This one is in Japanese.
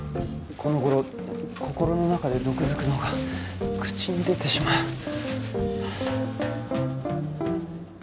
この頃心の中で毒づくのが口に出てしまう。